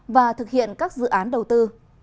và thực hiện các dự án đầu tư